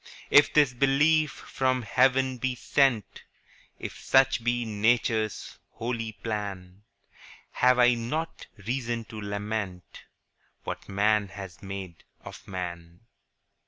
20 If this belief from heaven be sent, If such be Nature's holy plan, Have I not reason to lament What man has made of man?